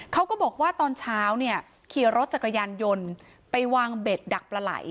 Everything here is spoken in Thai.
เขาก็บอกว่าตอนเช้าเนี่ยขี่รถจักรยานยนต์ไปวางเบ็ดดักปลาไหล่